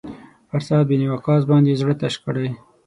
پر سعد بن وقاص باندې یې زړه تش کړی.